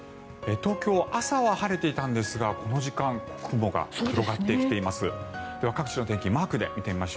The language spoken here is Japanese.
東京、朝は晴れていたんですがこの時間雲が広がってきています。